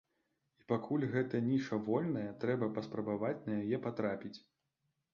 І пакуль гэтая ніша вольная, трэба паспрабаваць на яе патрапіць!